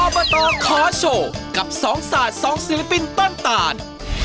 อบตขอโชว์กับสองศาสตร์สองศิลปินต้นต่าน